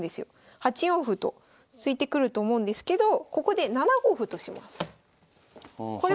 ８四歩と突いてくると思うんですけどここで７五歩とします。